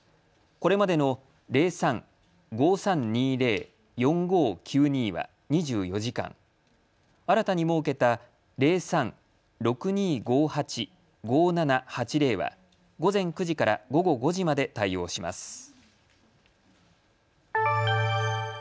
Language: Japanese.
これまでの０３−５３２０−４５９２は２４時間、新たに設けた、０３−６２５８−５７８０は午前９時から午後５時まで対応します。